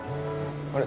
あれ？